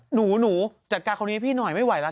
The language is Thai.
หนูหนูจัดการเขานี้ให้พี่หน่อยไม่ไหวล่ะ